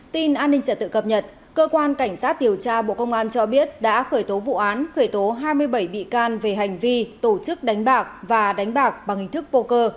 tin an ninh trật tự cập nhật cơ quan cảnh sát điều tra bộ công an cho biết đã khởi tố vụ án khởi tố hai mươi bảy bị can về hành vi tổ chức đánh bạc và đánh bạc bằng hình thức pô